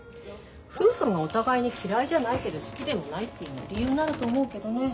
夫婦がお互いに嫌いじゃないけど好きでもないっていうの理由になると思うけどね。